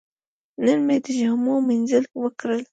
نن مې د جامو مینځل وکړل.